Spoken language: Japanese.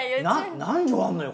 何畳あんのよ？